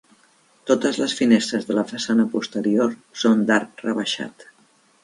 Totes les finestres de la façana posterior són d’arc rebaixat.